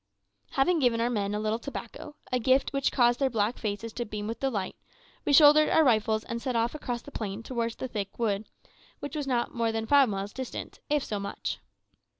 Having given our men a little tobacco, a gift which caused their black faces to beam with delight, we shouldered our rifles and set off across the plain towards the thick wood, which was not more than five miles distant, if so much.